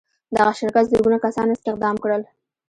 دغه شرکت زرګونه کسان استخدام کړل.